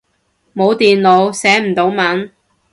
冇電腦，寫唔到文